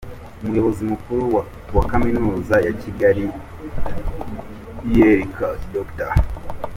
Umuyobozi Mukuru wa Kaminuza ya Kigali, UoK, Dr.